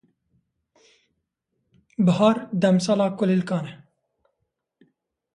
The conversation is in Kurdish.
Bihar demsala kulîlkan e.